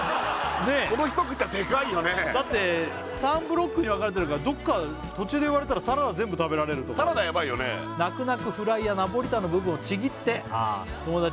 これだって３ブロックに分かれてるからどっか途中で言われたらサラダ全部食べられるとかサラダやばいよね「泣く泣くフライやナポリタンの部分をちぎって友達にあげ」